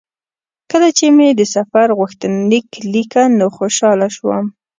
کله چې مې د سفر غوښتنلیک لیکه نو خوشاله شوم.